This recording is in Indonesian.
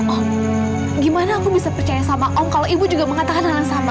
oh gimana aku bisa percaya sama om kalau ibu juga mengatakan hal yang sama